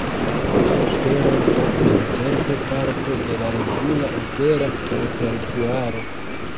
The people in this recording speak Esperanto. La opero estas nuntempe parto de la regula opera repertuaro.